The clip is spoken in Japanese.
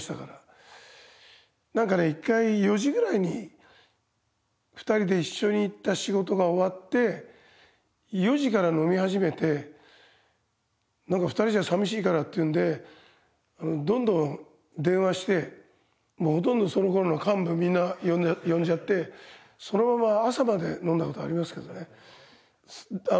なんかね一回４時ぐらいに２人で一緒に行った仕事が終わって４時から飲み始めてなんか２人じゃ寂しいからっていうのでどんどん電話してもうほとんどその頃の幹部みんな呼んじゃってそのまま朝まで飲んだ事ありますけどね。